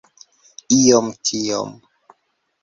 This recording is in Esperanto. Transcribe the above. Iom tiom